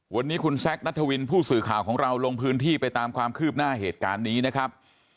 วันนี้คุณแซคนัทวินผู้สื่อข่าวของเราลงพื้นที่ไปตามความคืบหน้าเหตุการณ์นี้นะครับ